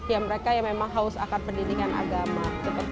ya mereka yang memang haus akan pendidikan agama